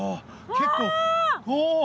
結構おお。